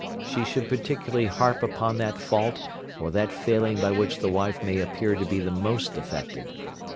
She should particularly harp upon that fault or that failing by which the wife may appear to be the most affected.